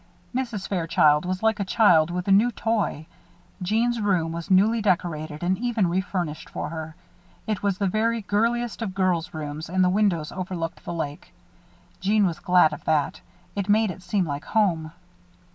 Mrs. Fairchild was like a child with a new toy. Jeanne's room was newly decorated and even refurnished for her. It was the very girliest of girl's rooms and the windows overlooked the lake. Jeanne was glad of that. It made it seem like home.